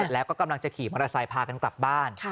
แล้วก็กำลังจะขี่มอเตอร์ไซค์พากันกลับบ้าน